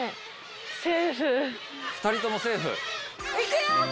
２人ともセーフ。